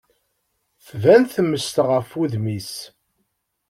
tban tmes ɣef wudem-is.